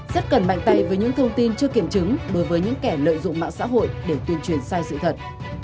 rất cần mạnh tay với những thông tin chưa kiểm chứng đối với những kẻ lợi dụng mạng xã hội để tuyên truyền sai sự thật